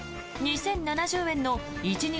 ２０７０円の１日